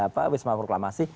pak wisma proklamasi